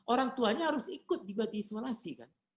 orang tuanya harus ikut juga diisolasi kan